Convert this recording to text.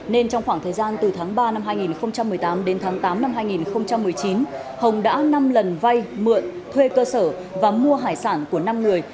nên trong khoảng thời gian từ tháng ba năm hai nghìn một mươi tám đến tháng tám năm hai nghìn một mươi chín hồng đã năm lần vay mượn thuê cơ sở và mua hải sản của năm người